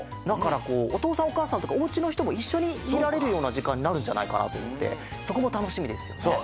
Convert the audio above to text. だからこうおとうさんおかあさんとかおうちのひともいっしょにみられるようなじかんになるんじゃないかなとおもってそこもたのしみですよね。